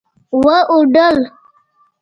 واوډل